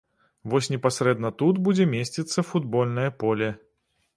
Вось непасрэдна тут будзе месціцца футбольнае поле.